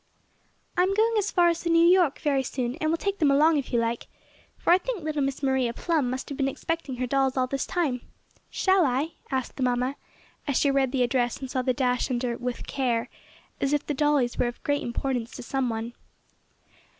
"I am going as far as New York very soon and will take them along if you like, for I think little Miss Maria Plum must have been expecting her dolls all this time. Shall I?" asked the mamma, as she read the address and saw the dash under "With care," as if the dollies were of great importance to some one.